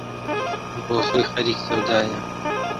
بۆ خۆی خەریک سەودایە